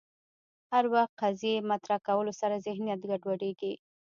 هر وخت قضیې مطرح کولو سره ذهنیت ګډوډېږي